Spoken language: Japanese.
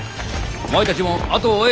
お前たちも後を追え。